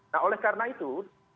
nah oleh karena itu